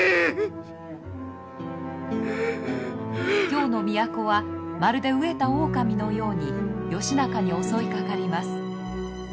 京の都はまるで飢えた狼のように義仲に襲いかかります。